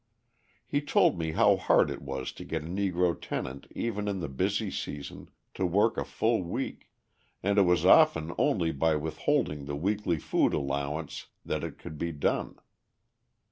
He told me how hard it was to get a Negro tenant even in the busy season to work a full week and it was often only by withholding the weekly food allowance that it could be done.